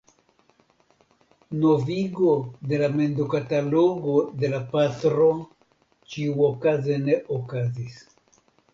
Novigo de la mendokatalogo de la patro ĉiuokaze ne okazis.